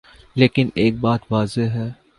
لیکن ایک بات واضح ہے۔